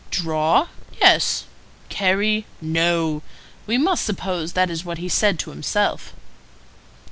'Draw? Yes. Carry? No.' We must suppose that is what he said to himself."